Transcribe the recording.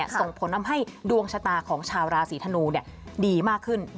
ส่งผลทำให้ดวงชะตาของชาวราศีธนูดีมากขึ้น